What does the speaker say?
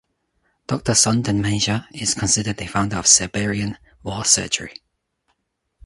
Doctor Sondermajer is considered the founder of Serbian war surgery.